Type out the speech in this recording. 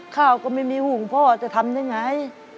ข้าวก็ไม่มีหุงพ่อจะทำได้ไง